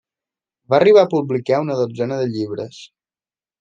Va arribar a publicar una dotzena de llibres.